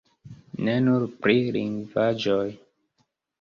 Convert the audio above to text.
Ne nur pri lingvaĵoj.